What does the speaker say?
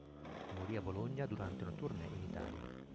Morì a Bologna durante una tournée in Italia.